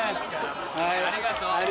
はいありがとう。